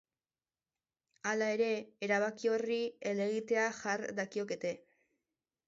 Hala ere, erabaki horri helegitea jar dakiokete.